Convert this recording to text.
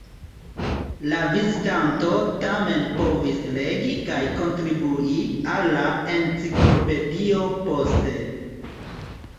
La vizitanto tamen povis legi kaj kontribui al la enciklopedio poste.